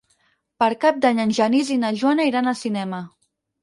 Per Cap d'Any en Genís i na Joana iran al cinema.